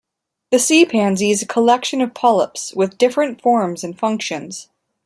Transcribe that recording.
The sea pansy is a collection of polyps with different forms and functions.